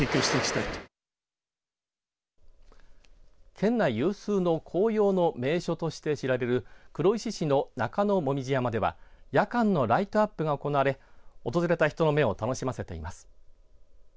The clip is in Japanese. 県内有数の紅葉の名所として知られる黒石市の中野もみじ山では夜間のライトアップが行われ訪れた人の目を楽しませています。